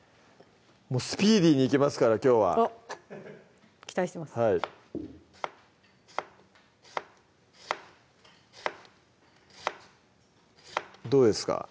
もうスピーディーにいきますからきょうは期待してますどうですか？